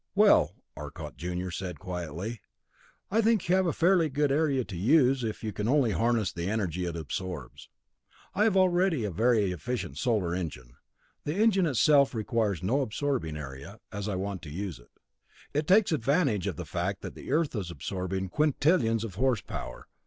"Well," Arcot junior said quietly, "I think you have a fairly good area to use, if you can only harness the energy it absorbs. I have really developed a very efficient solar engine. The engine itself requires no absorbing area, as I want to use it; it takes advantage of the fact that the Earth is absorbing quintillions of horsepower.